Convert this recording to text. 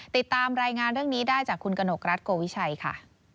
ติดตามรายงานเรื่องนี้ได้จากคุณกนกรัฐโกวิชัยค่ะ